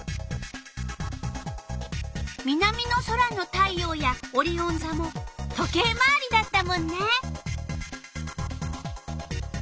南の空の太陽やオリオンざも時計回りだったもんね。